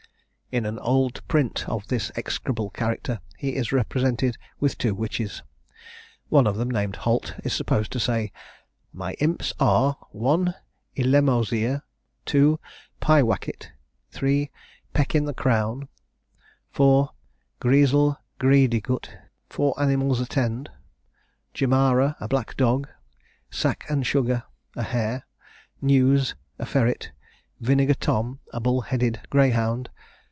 In an old print of this execrable character, he is represented with two witches. One of them, named Holt, is supposed to say, "My Impes are, 1. Ilemauzyr; 2. Pyewackett; 3. Pecke in the Crown; 4. Griezell Griediegutt." Four animals attend: Jarmara, a black dog; Sacke and Sugar, a hare; Newes, a ferret; Vinegar Tom, a bull headed greyhound.